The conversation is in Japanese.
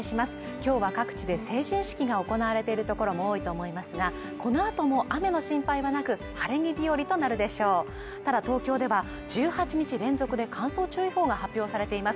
今日は各地で成人式が行われているところも多いと思いますがこのあとも雨の心配はなく晴れ着びよりとなるでしょうただ東京では１８日連続で乾燥注意報が発表されています